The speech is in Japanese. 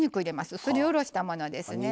すり下ろしたものですね。